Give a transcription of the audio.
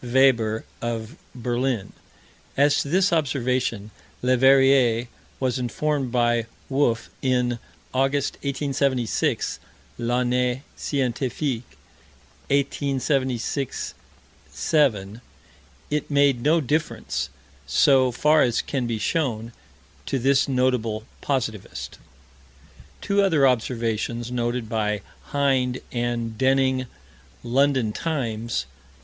Weber, of Berlin. As to this observation, Leverrier was informed by Wolf, in August, 1876 (L'Année Scientifique, 1876 7). It made no difference, so far as can be known, to this notable positivist. Two other observations noted by Hind and Denning London Times, Nov.